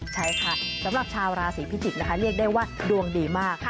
ใช่ค่ะสำหรับชาวราศีพิจิกษ์นะคะเรียกได้ว่าดวงดีมาก